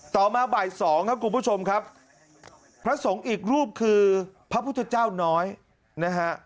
ต่อมาบ่ายสองครับคุณผู้ชมครับพระสงฆ์อีกรูปคือพระพุทธเจ้าน้อยนะฮะ